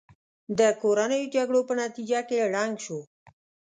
د کورنیو جګړو په نتیجه کې ړنګ شو.